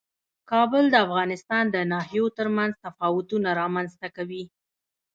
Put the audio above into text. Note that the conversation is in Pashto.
کابل د افغانستان د ناحیو ترمنځ تفاوتونه رامنځ ته کوي.